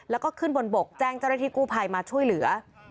แล้วก็ขึ้นบนบกแจ้งเจ้าหน้าที่กู้ภัยมาช่วยเหลือ